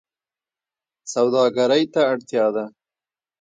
سوداګرۍ ته اړتیا ده